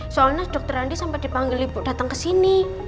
soalnya dokter andi sampai dipanggil ibu datang kesini